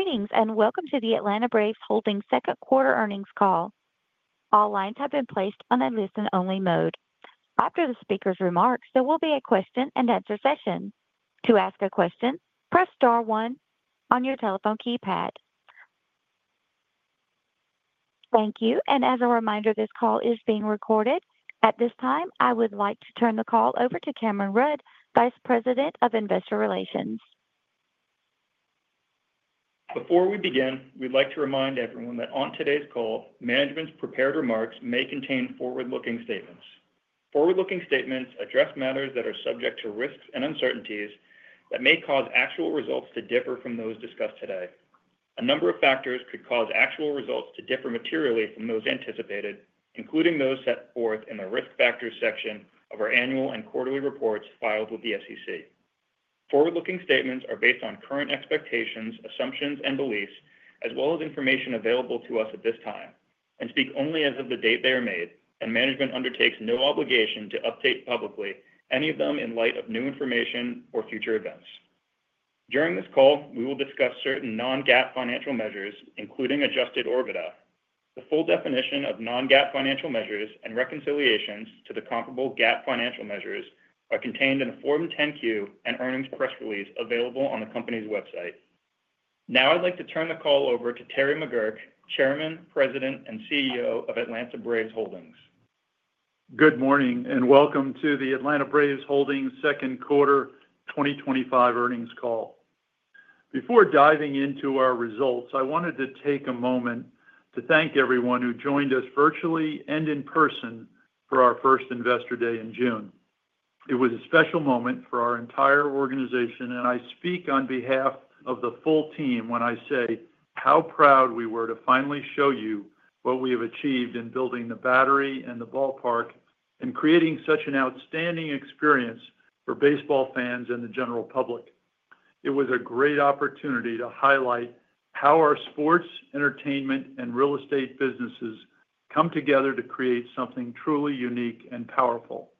Greetings and welcome to the Atlanta Braves Holdings Inc. Second Quarter Earnings Call. All lines have been placed on a listen-only mode. After the speaker's remarks, there will be a question-and-answer session. To ask a question, press star one on your telephone keypad. Thank you. As a reminder, this call is being recorded. At this time, I would like to turn the call over to Cameron Rudd, Vice President, Investor Relations. Before we begin, we'd like to remind everyone that on today's call, management's prepared remarks may contain forward-looking statements. Forward-looking statements address matters that are subject to risks and uncertainties that may cause actual results to differ from those discussed today. A number of factors could cause actual results to differ materially from those anticipated, including those set forth in the risk factors section of our annual and quarterly reports filed with the SEC. Forward-looking statements are based on current expectations, assumptions, and beliefs, as well as information available to us at this time, and speak only as of the date they are made, and management undertakes no obligation to update publicly any of them in light of new information or future events. During this call, we will discuss certain non-GAAP financial measures, including Adjusted EBITDA. The full definition of non-GAAP financial measures and reconciliations to the comparable GAAP financial measures are contained in a Form 10-Q and earnings press release available on the company's website. Now I'd like to turn the call over to Terence McGuirk, Chairman, President, and CEO of Atlanta Braves Holdings Inc. Good morning and welcome to the Atlanta Braves Holdings Inc. second quarter 2025 earnings call. Before diving into our results, I wanted to take a moment to thank everyone who joined us virtually and in person for our first Investor Day in June. It was a special moment for our entire organization, and I speak on behalf of the full team when I say how proud we were to finally show you what we have achieved in building The Battery Atlanta and the ballpark and creating such an outstanding experience for baseball fans and the general public. It was a great opportunity to highlight how our sports, entertainment, and real estate businesses come together to create something truly unique and powerful.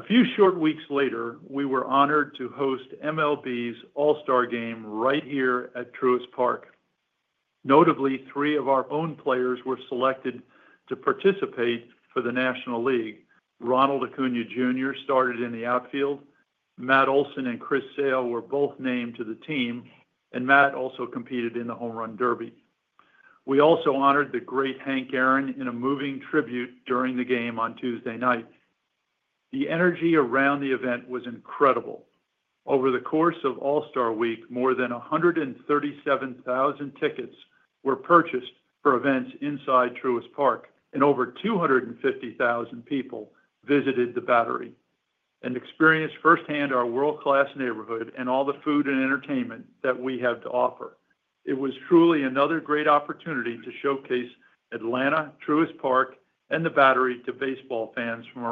A few short weeks later, we were honored to host MLB's All-Star Game right here at Truist Park. Notably, three of our own players were selected to participate for the National League. Ronald Acuña Jr. started in the outfield. Matt Olson and Chris Sale were both named to the team, and Matt also competed in the Home Run Derby. We also honored the great Hank Aaron in a moving tribute during the game on Tuesday night. The energy around the event was incredible. Over the course of All-Star Week, more than 137,000 tickets were purchased for events inside Truist Park, and over 250,000 people visited The Battery Atlanta and experienced firsthand our world-class neighborhood and all the food and entertainment that we have to offer. It was truly another great opportunity to showcase Atlanta, Truist Park, and The Battery Atlanta to baseball fans from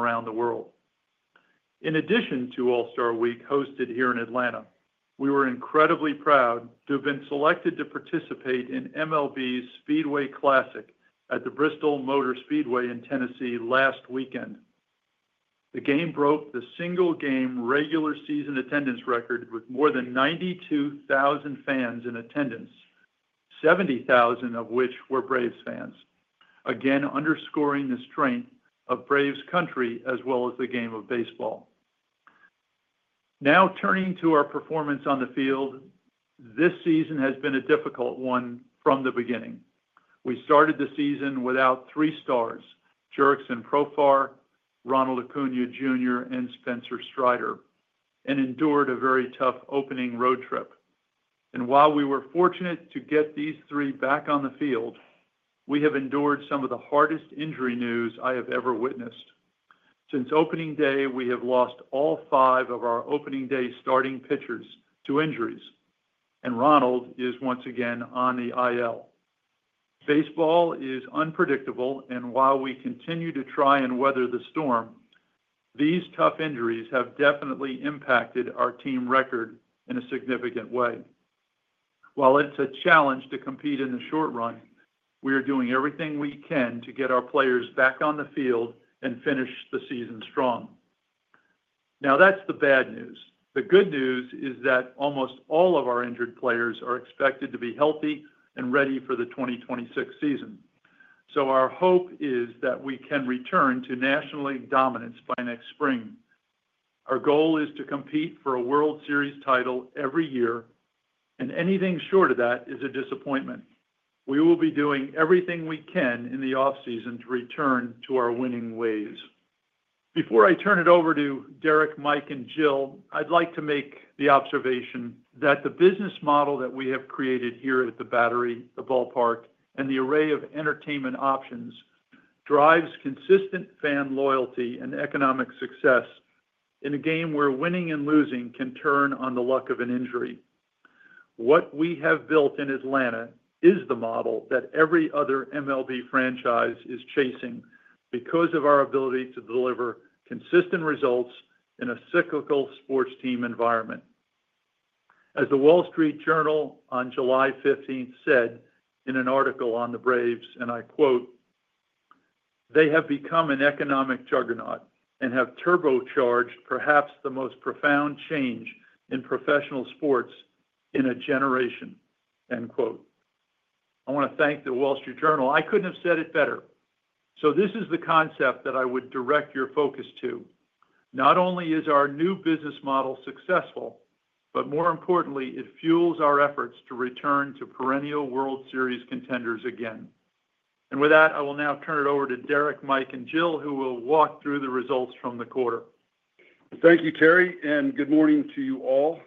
around the world. In addition to All-Star Week hosted here in Atlanta, we were incredibly proud to have been selected to participate in MLB's Speedway Classic at the Bristol Motor Speedway in Tennessee last weekend. The game broke the single-game regular season attendance record with more than 92,000 fans in attendance, 70,000 of which were Braves fans, again underscoring the strength of Braves Country as well as the game of baseball. Now turning to our performance on the field, this season has been a difficult one from the beginning. We started the season without three stars, Jurickson Profar, Ronald Acuña Jr., and Spencer Strider, and endured a very tough opening road trip. While we were fortunate to get these three back on the field, we have endured some of the hardest injury news I have ever witnessed. Since Opening Day, we have lost all five of our Opening Day starting pitchers to injuries, and Ronald is once again on the IL. Baseball is unpredictable, and while we continue to try and weather the storm, these tough injuries have definitely impacted our team record in a significant way. While it's a challenge to compete in the short run, we are doing everything we can to get our players back on the field and finish the season strong. Now that's the bad news. The good news is that almost all of our injured players are expected to be healthy and ready for the 2026 season. Our hope is that we can return to national dominance by next spring. Our goal is to compete for a World Series title every year, and anything short of that is a disappointment. We will be doing everything we can in the offseason to return to our winning ways. Before I turn it over to Derek, Mike, and Jill, I'd like to make the observation that the business model that we have created here at The Battery Atlanta, the ballpark, and the array of entertainment options drives consistent fan loyalty and economic success in a game where winning and losing can turn on the luck of an injury. What we have built in Atlanta is the model that every other MLB franchise is chasing because of our ability to deliver consistent results in a cyclical sports team environment. As The Wall Street Journal on July 15 said in an article on the Braves, and I quote, "They have become an economic juggernaut and have turbocharged perhaps the most profound change in professional sports in a generation." I want to thank The Wall Street Journal. I couldn't have said it better. This is the concept that I would direct your focus to. Not only is our new business model successful, but more importantly, it fuels our efforts to return to perennial World Series contenders again. With that, I will now turn it over to Derek, Mike, and Jill, who will walk through the results from the quarter. Thank you, Terry, and good morning to you all.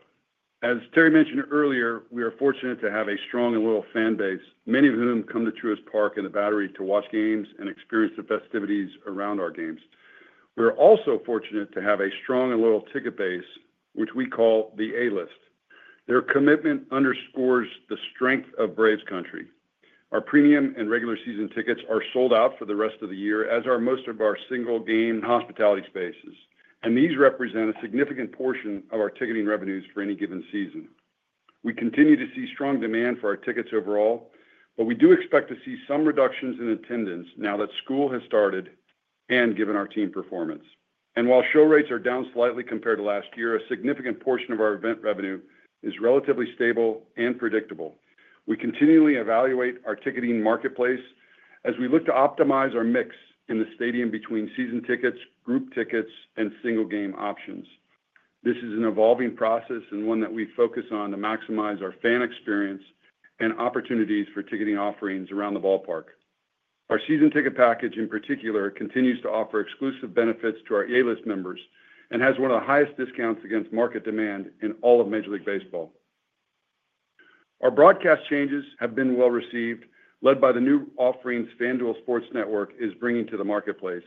As Terry mentioned earlier, we are fortunate to have a strong and loyal fan base, many of whom come to Truist Park and The Battery Atlanta to watch games and experience the festivities around our games. We're also fortunate to have a strong and loyal ticket base, which we call the A-List. Their commitment underscores the strength of Braves Country. Our premium and regular season tickets are sold out for the rest of the year, as are most of our single-game hospitality spaces. These represent a significant portion of our ticketing revenues for any given season. We continue to see strong demand for our tickets overall, but we do expect to see some reductions in attendance now that school has started and given our team performance. While show rates are down slightly compared to last year, a significant portion of our event revenue is relatively stable and predictable. We continually evaluate our ticketing marketplace as we look to optimize our mix in the stadium between season tickets, group tickets, and single-game options. This is an evolving process and one that we focus on to maximize our fan experience and opportunities for ticketing offerings around the ballpark. Our season ticket package, in particular, continues to offer exclusive benefits to our A-List members and has one of the highest discounts against market demand in all of Major League Baseball. Our broadcast changes have been well received, led by the new offerings FanDuel Sports Network is bringing to the marketplace,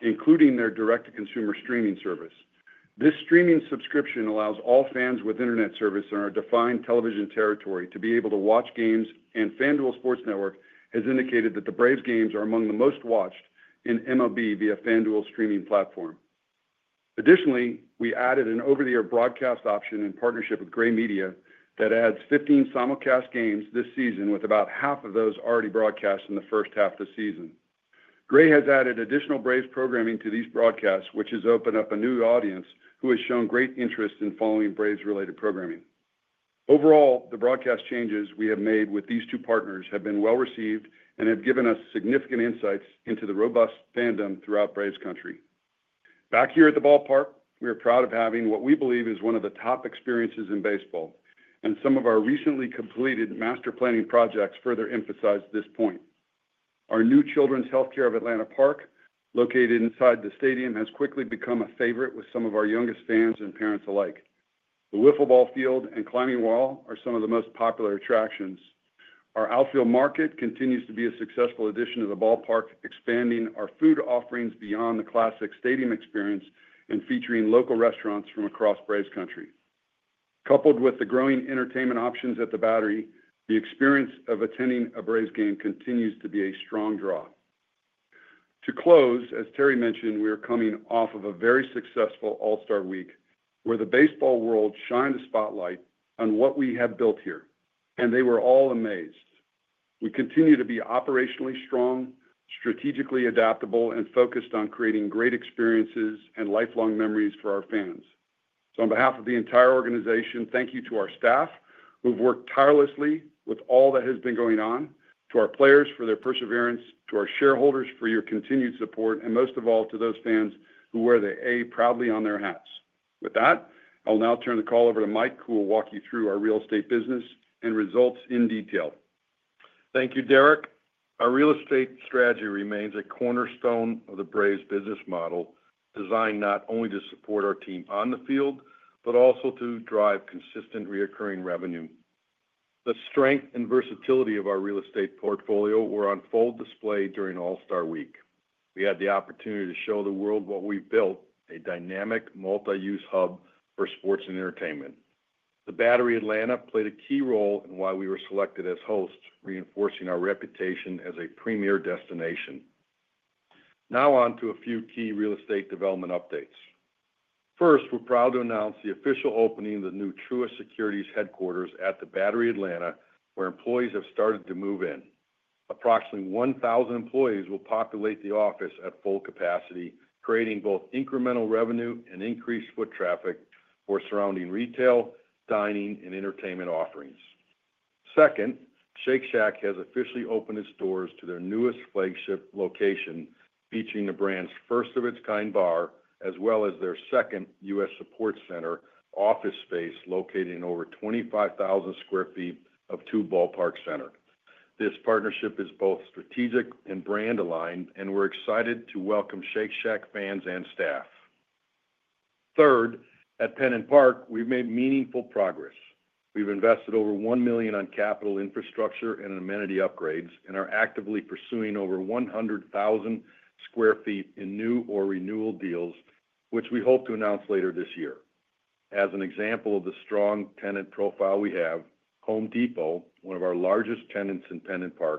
including their direct-to-consumer streaming service. This streaming subscription allows all fans with internet service in our defined television territory to be able to watch games, and FanDuel Sports Network has indicated that the Braves games are among the most watched in MLB via FanDuel's streaming platform. Additionally, we added an over-the-air broadcast option in partnership with Gray Media that adds 15 simulcast games this season, with about half of those already broadcast in the first half of the season. Gray has added additional Braves programming to these broadcasts, which has opened up a new audience who has shown great interest in following Braves-related programming. Overall, the broadcast changes we have made with these two partners have been well received and have given us significant insights into the robust fandom throughout Braves Country. Back here at the ballpark, we are proud of having what we believe is one of the top experiences in baseball, and some of our recently completed master planning projects further emphasize this point. Our new Children's Healthcare of Atlanta Park, located inside the stadium, has quickly become a favorite with some of our youngest fans and parents alike. The Wiffleball field and climbing wall are some of the most popular attractions. Our outfield market continues to be a successful addition to the ballpark, expanding our food offerings beyond the classic stadium experience and featuring local restaurants from across Braves country. Coupled with the growing entertainment options at The Battery Atlanta, the experience of attending a Braves game continues to be a strong draw. To close, as Terry mentioned, we are coming off of a very successful All-Star Week where the baseball world shined a spotlight on what we have built here, and they were all amazed. We continue to be operationally strong, strategically adaptable, and focused on creating great experiences and lifelong memories for our fans. On behalf of the entire organization, thank you to our staff who've worked tirelessly with all that has been going on, to our players for their perseverance, to our shareholders for your continued support, and most of all, to those fans who wear the A proudly on their hats. With that, I'll now turn the call over to Mike, who will walk you through our real estate business and results in detail. Thank you, Derek. Our real estate strategy remains a cornerstone of the Braves' business model, designed not only to support our team on the field, but also to drive consistent recurring revenue. The strength and versatility of our real estate portfolio were on full display during All-Star Week. We had the opportunity to show the world what we've built: a dynamic, multi-use hub for sports and entertainment. The Battery Atlanta played a key role in why we were selected as hosts, reinforcing our reputation as a premier destination. Now on to a few key real estate development updates. First, we're proud to announce the official opening of the new Truist Securities headquarters at The Battery Atlanta, where employees have started to move in. Approximately 1,000 employees will populate the office at full capacity, creating both incremental revenue and increased foot traffic for surrounding retail, dining, and entertainment offerings. Second, Shake Shack has officially opened its doors to their newest Shake Shack flagship location, featuring the brand's first-of-its-kind bar, as well as their second U.S. support center office space, located in over 25,000 sq ft of Two Ballpark Center. This partnership is both strategic and brand-aligned, and we're excited to welcome Shake Shack fans and staff. Third, at PennantPark, we've made meaningful progress. We've invested over $1 million on capital infrastructure and amenity upgrades and are actively pursuing over 100,000 sq ft in new or renewal deals, which we hope to announce later this year. As an example of the strong tenant profile we have, Home Depot, one of our largest tenants in PennantPark,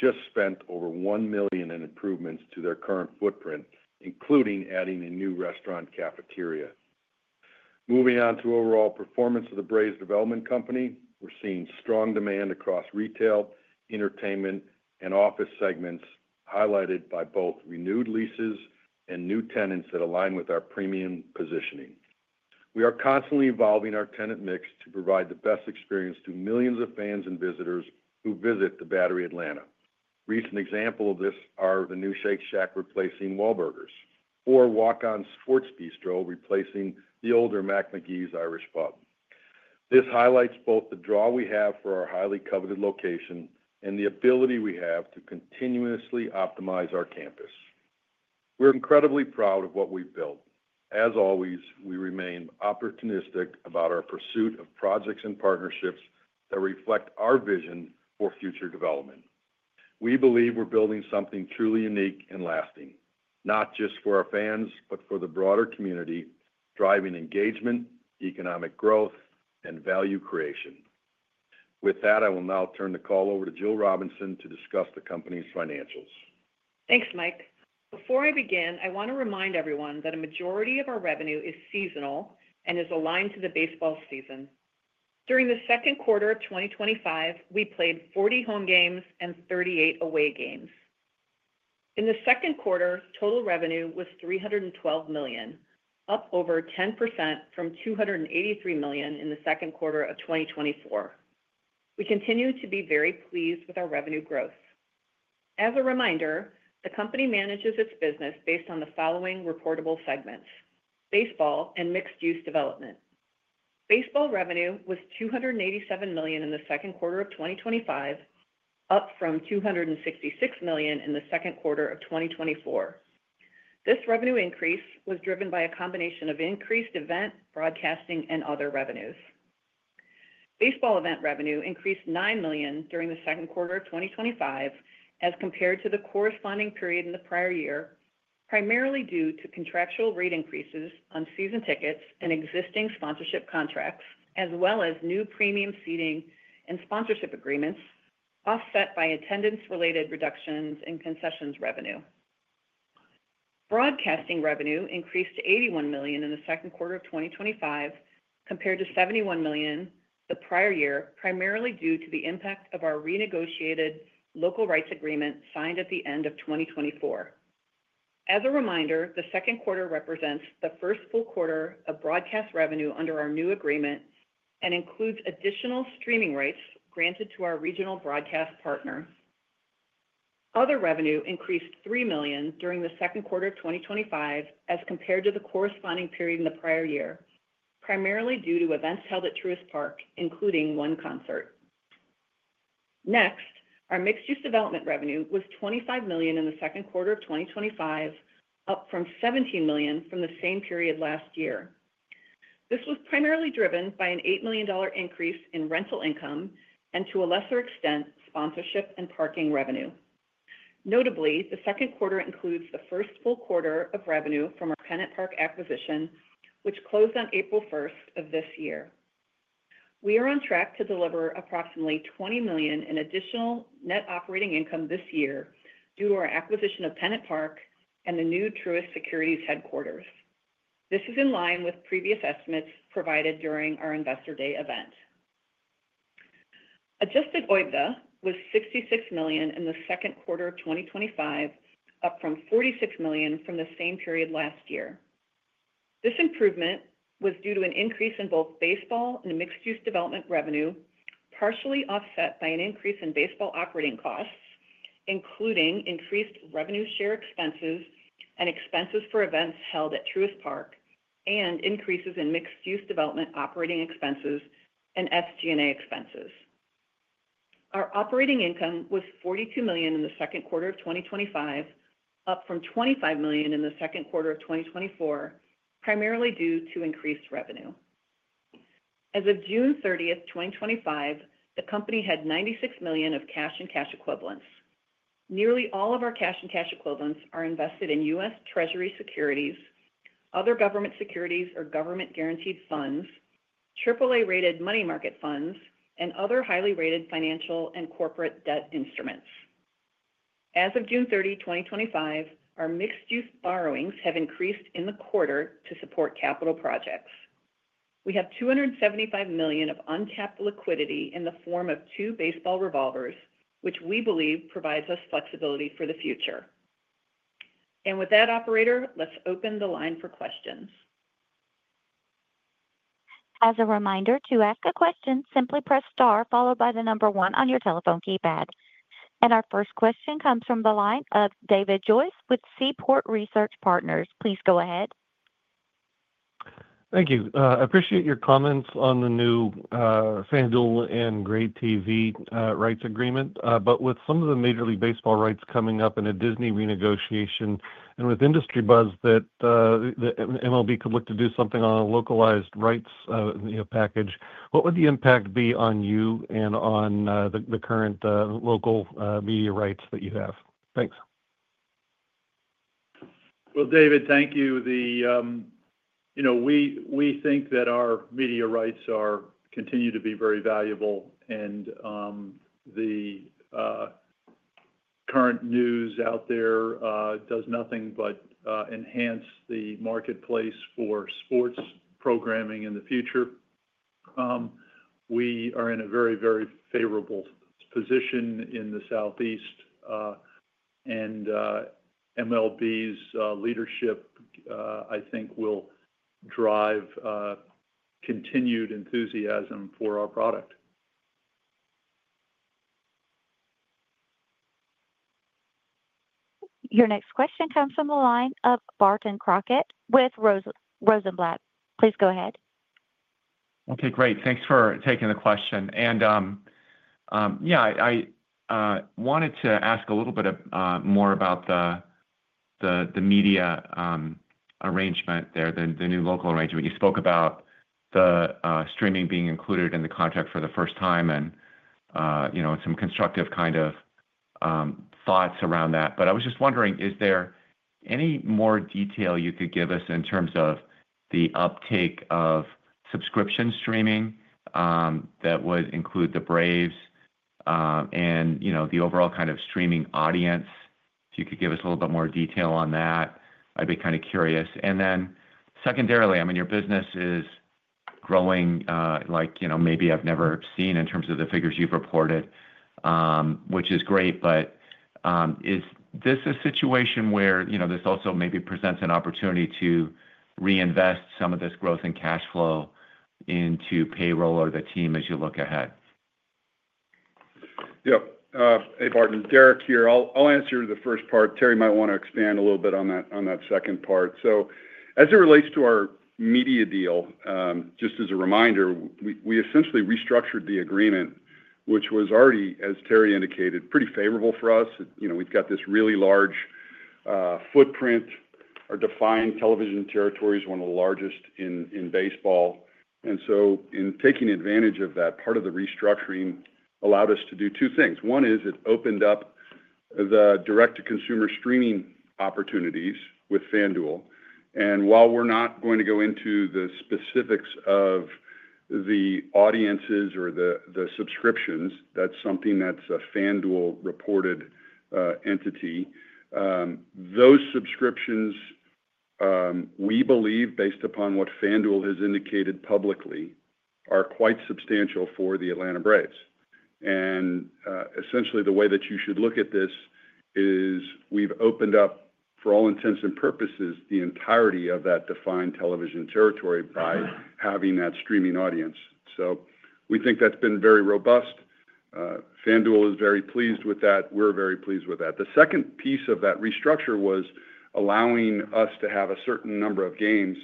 just spent over $1 million in improvements to their current footprint, including adding a new restaurant cafeteria. Moving on to overall performance of the Braves Development Company, we're seeing strong demand across retail, entertainment, and office segments, highlighted by both renewed leases and new tenants that align with our premium positioning. We are constantly evolving our tenant mix to provide the best experience to millions of fans and visitors who visit The Battery Atlanta. Recent examples of this are the new Shake Shack replacing Wahlburgers, or Walk-On's Sports Bistreaux replacing the older McMcGee's Irish Pub. This highlights both the draw we have for our highly coveted location and the ability we have to continuously optimize our campus. We're incredibly proud of what we've built. As always, we remain opportunistic about our pursuit of projects and partnerships that reflect our vision for future development. We believe we're building something truly unique and lasting, not just for our fans, but for the broader community, driving engagement, economic growth, and value creation. With that, I will now turn the call over to Jill Robinson to discuss the company's financials. Thanks, Mike. Before I begin, I want to remind everyone that a majority of our revenue is seasonal and is aligned to the baseball season. During the second quarter of 2025, we played 40 home games and 38 away games. In the second quarter, total revenue was $312 million, up over 10% from $283 million in the second quarter of 2024. We continue to be very pleased with our revenue growth. As a reminder, the company manages its business based on the following reportable segments: baseball and mixed-use development. Baseball revenue was $287 million in the second quarter of 2025, up from $266 million in the second quarter of 2024. This revenue increase was driven by a combination of increased event, broadcasting, and other revenues. Baseball event revenue increased $9 million during the second quarter of 2025 as compared to the corresponding period in the prior year, primarily due to contractual rate increases on season tickets and existing sponsorship contracts, as well as new premium seating and sponsorship agreements offset by attendance-related reductions in concessions revenue. Broadcasting revenue increased to $81 million in the second quarter of 2025 compared to $71 million the prior year, primarily due to the impact of our renegotiated local media rights agreement signed at the end of 2024. As a reminder, the second quarter represents the first full quarter of broadcast revenue under our new agreement and includes additional streaming rights granted to our regional broadcast partner. Other revenue increased $3 million during the second quarter of 2025 as compared to the corresponding period in the prior year, primarily due to events held at Truist Park, including one concert. Next, our mixed-use development revenue was $25 million in the second quarter of 2025, up from $17 million from the same period last year. This was primarily driven by an $8 million increase in rental income and, to a lesser extent, sponsorship and parking revenue. Notably, the second quarter includes the first full quarter of revenue from our PennantPark acquisition, which closed on April 1 of this year. We are on track to deliver approximately $20 million in additional net operating income this year due to our acquisition of PennantPark and the new Truist Securities headquarters. This is in line with previous estimates provided during our Investor Day event. Adjusted EBITDA was $66 million in the second quarter of 2025, up from $46 million from the same period last year. This improvement was due to an increase in both baseball and mixed-use development revenue, partially offset by an increase in baseball operating costs, including increased revenue share expenses and expenses for events held at Truist Park, and increases in mixed-use development operating expenses and FG&A expenses. Our operating income was $42 million in the second quarter of 2025, up from $25 million in the second quarter of 2024, primarily due to increased revenue. As of June 30, 2025, the company had $96 million of cash and cash equivalents. Nearly all of our cash and cash equivalents are invested in U.S. Treasury securities, other government securities or government-guaranteed funds, AAA-rated money market funds, and other highly rated financial and corporate debt instruments. As of June 30, 2025, our mixed-use borrowings have increased in the quarter to support capital projects. We have $275 million of untapped liquidity in the form of two baseball revolvers, which we believe provides us flexibility for the future. Operator, let's open the line for questions. As a reminder, to ask a question, simply press star followed by the number one on your telephone keypad. Our first question comes from the line of David Joyce with Seaport Research Partners. Please go ahead. Thank you. I appreciate your comments on the new FanDuel and Gray Media TV rights agreement, but with some of the Major League Baseball rights coming up in a Disney renegotiation and with industry buzz that the MLB could look to do something on a localized rights package, what would the impact be on you and on the current local media rights that you have? Thanks. David, thank you. We think that our media rights continue to be very valuable, and the current news out there does nothing but enhance the marketplace for sports programming in the future. We are in a very, very favorable position in the Southeast, and MLB's leadership, I think, will drive continued enthusiasm for our product. Your next question comes from the line of Barton Crockett with Rosenblatt. Please go ahead. Okay, great. Thanks for taking the question. I wanted to ask a little bit more about the media arrangement there, the new local arrangement. You spoke about the streaming being included in the contract for the first time and some constructive kind of thoughts around that. I was just wondering, is there any more detail you could give us in terms of the uptake of subscription streaming that would include the Braves and the overall kind of streaming audience? If you could give us a little bit more detail on that, I'd be kind of curious. Secondarily, I mean, your business is growing like maybe I've never seen in terms of the figures you've reported, which is great. Is this a situation where this also maybe presents an opportunity to reinvest some of this growth in cash flow into payroll or the team as you look ahead? Yep. Hey, Barton. Derek here. I'll answer the first part. Terry might want to expand a little bit on that second part. As it relates to our media deal, just as a reminder, we essentially restructured the agreement, which was already, as Terry indicated, pretty favorable for us. We've got this really large footprint. Our defined television territory is one of the largest in baseball. In taking advantage of that, part of the restructuring allowed us to do two things. One is it opened up the direct-to-consumer streaming opportunities with FanDuel. While we're not going to go into the specifics of the audiences or the subscriptions, that's something that's a FanDuel-reported entity. Those subscriptions, we believe, based upon what FanDuel has indicated publicly, are quite substantial for the Atlanta Braves. Essentially, the way that you should look at this is we've opened up, for all intents and purposes, the entirety of that defined television territory by having that streaming audience. We think that's been very robust. FanDuel is very pleased with that. We're very pleased with that. The second piece of that restructure was allowing us to have a certain number of games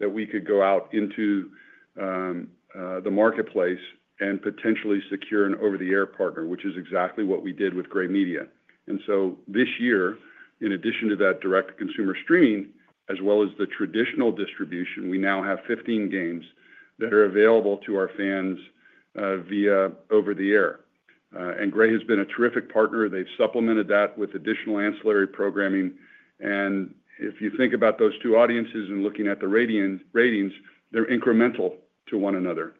that we could go out into the marketplace and potentially secure an over-the-air partner, which is exactly what we did with Gray Media. This year, in addition to that direct-to-consumer streaming, as well as the traditional distribution, we now have 15 games that are available to our fans via over-the-air. Gray has been a terrific partner. They've supplemented that with additional ancillary programming. If you think about those two audiences and looking at the ratings, they're incremental to one another.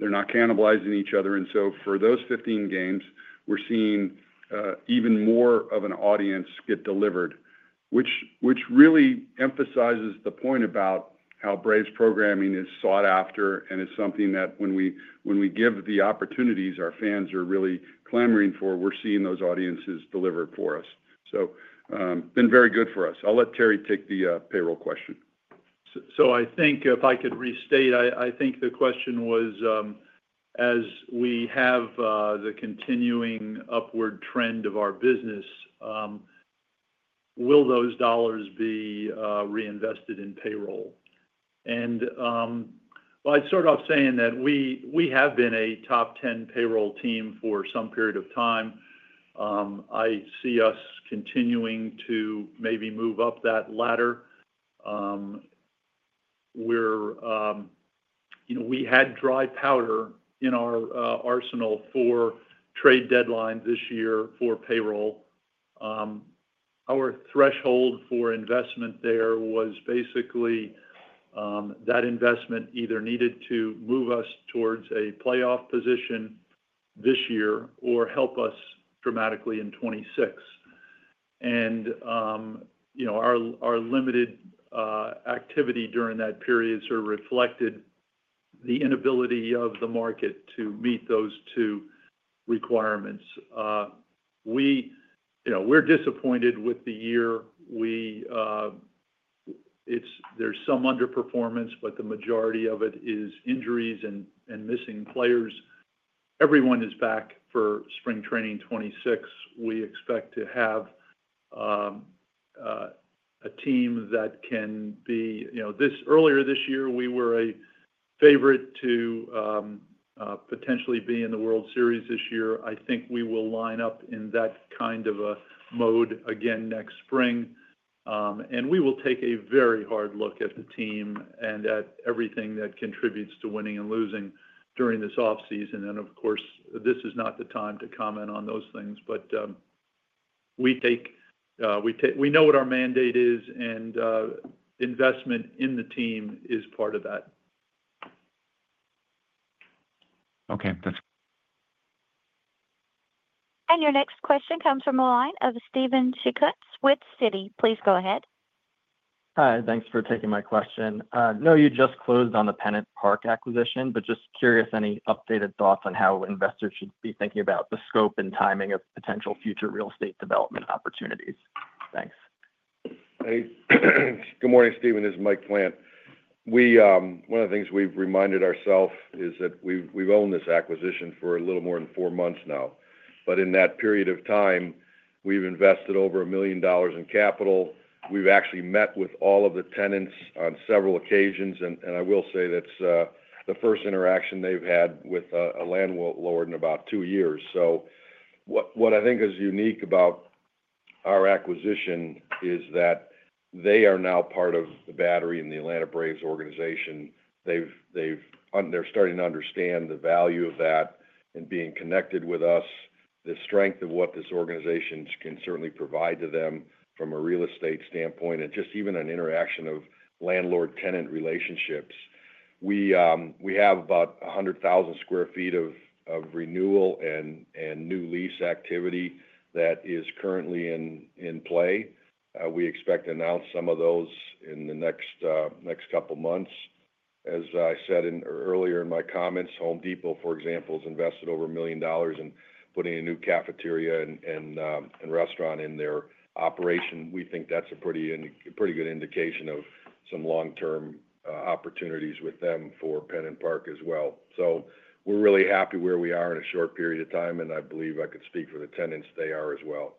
They're not cannibalizing each other. For those 15 games, we're seeing even more of an audience get delivered, which really emphasizes the point about how Braves programming is sought after and is something that when we give the opportunities our fans are really clamoring for, we're seeing those audiences deliver for us. It's been very good for us. I'll let Terry take the payroll question. I think if I could restate, I think the question was, as we have the continuing upward trend of our business, will those dollars be reinvested in payroll? I'd start off saying that we have been a top 10 payroll team for some period of time. I see us continuing to maybe move up that ladder. We had dry powder in our arsenal for trade deadlines this year for payroll. Our threshold for investment there was basically that investment either needed to move us towards a playoff position this year or help us dramatically in 2026. Our limited activity during that period sort of reflected the inability of the market to meet those two requirements. We're disappointed with the year. There's some underperformance, but the majority of it is injuries and missing players. Everyone is back for spring training 2026. We expect to have a team that can be, you know, earlier this year, we were a favorite to potentially be in the World Series this year. I think we will line up in that kind of a mode again next spring. We will take a very hard look at the team and at everything that contributes to winning and losing during this offseason. Of course, this is not the time to comment on those things, but we know what our mandate is, and investment in the team is part of that. Okay. Your next question comes from the line of Steven Sheeckutz with Citi. Please go ahead. Hi. Thanks for taking my question. You just closed on the PennantPark acquisition, but just curious any updated thoughts on how investors should be thinking about the scope and timing of potential future real estate development opportunities. Thanks. Good morning, Steven. This is Mike Plant. One of the things we've reminded ourselves is that we've owned this acquisition for a little more than four months now. In that period of time, we've invested over $1 million in capital. We've actually met with all of the tenants on several occasions, and I will say that's the first interaction they've had with a landlord in about two years. What I think is unique about our acquisition is that they are now part of The Battery Atlanta and the Atlanta Braves organization. They're starting to understand the value of that and being connected with us, the strength of what this organization can certainly provide to them from a real estate standpoint, and just even an interaction of landlord-tenant relationships. We have about 100,000 sq ft of renewal and new lease activity that is currently in play. We expect to announce some of those in the next couple of months. As I said earlier in my comments, Home Depot, for example, has invested over $1 million in putting a new cafeteria and restaurant in their operation. We think that's a pretty good indication of some long-term opportunities with them for PennantPark as well. We're really happy where we are in a short period of time, and I believe I could speak for the tenants they are as well.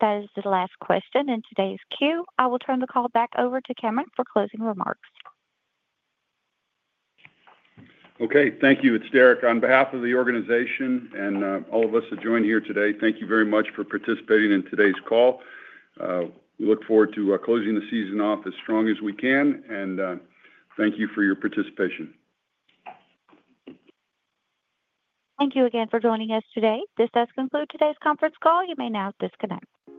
That is the last question in today's queue. I will turn the call back over to Cameron for closing remarks. Okay. Thank you. It's Derek on behalf of the organization and all of us that joined here today. Thank you very much for participating in today's call. We look forward to closing the season off as strong as we can, and thank you for your participation. Thank you again for joining us today. This does conclude today's conference call. You may now disconnect.